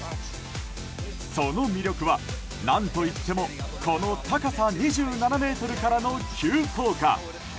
その魅力は、何といってもこの高さ２７ｍからの急降下。